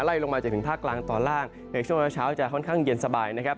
ลงมาจนถึงภาคกลางตอนล่างในช่วงเช้าจะค่อนข้างเย็นสบายนะครับ